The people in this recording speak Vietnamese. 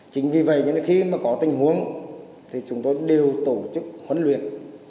chính vì vậy khi mà có tình huống thì chúng tôi đều tổ chức huấn luyện